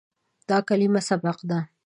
دا کلمه "سبق" ده.